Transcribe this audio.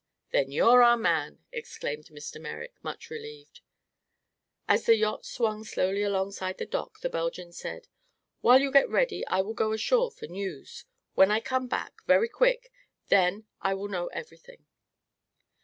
"Then you're our man," exclaimed Mr. Merrick, much relieved. As the yacht swung slowly alongside the dock the Belgian said: "While you get ready, I will go ashore for news. When I come back very quick then I will know everything."